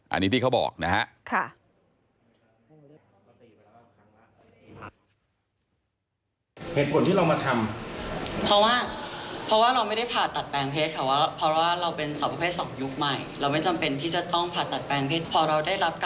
อันนี้ที่เขาบอกนะฮะ